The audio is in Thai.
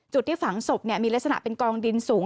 จุดที่ฝังศพมีลักษณะเป็นกองดินสูง